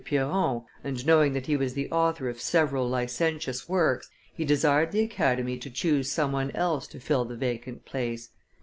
Piron, and knowing that he was the author of several licentious works, he desired the Academy to choose some one else to fill the vacant place.